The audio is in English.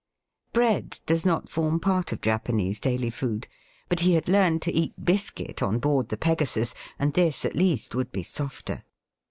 Bread does not form part of Japanese daily food, but he had learned to eat biscuit on board the Pegasus, and this at least would be softer.